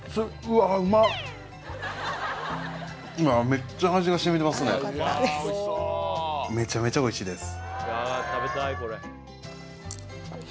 めちゃめちゃ美味しいです